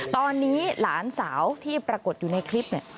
ตอนนี้หลานสาวที่ปรากฏอยู่ในคลิปเนี่ย